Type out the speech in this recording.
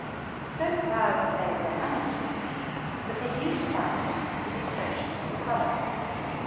So proud were they of their manuscripts that they beautified them with illustrations in colour.